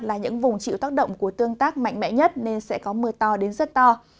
là những vùng chịu tác động của tương tác mạnh mẽ nhất nên sẽ có mưa to đến rất to